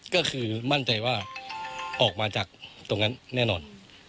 ก็คือมั่นใจว่าออกมาจากตรงนั้นแน่นอน